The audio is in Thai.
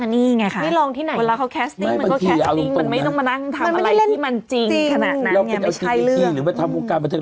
นี่ไงค่ะบางทีเอาจริงมันไม่ต้องมานั่งทำอะไรที่มันจริงขนาดนั้นไงไม่ใช่เรื่อง